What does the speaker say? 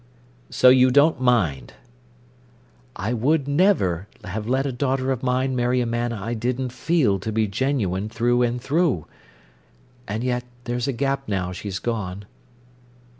"So you don't mind?" "I would never have let a daughter of mine marry a man I didn't feel to be genuine through and through. And yet, there's a gap now she's gone."